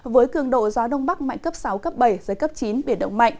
với cường độ gió đông bắc mạnh cấp sáu cấp bảy giới cấp chín biển động mạnh